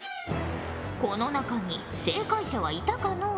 この中に正解者はいたかのう？